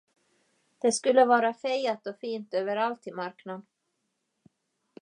Det skulle vara fejat och fint överallt till marknaden.